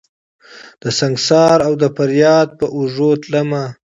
دسنګسار اودفریاد په اوږو تلمه